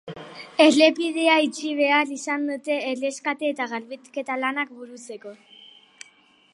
Errepidea itxi behar izan dute, erreskate eta garbiketa lanak burutzeko.